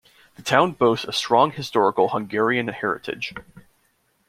The town boasts a strong historical Hungarian heritage.